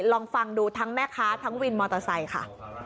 ลองฟังดูทั้งแม่ค้าทั้งวินมอเตอร์ไซค์ค่ะ